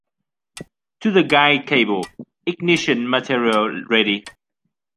To the guide cable. Ignition material ready.